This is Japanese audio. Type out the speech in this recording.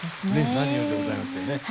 何よりでございますよね。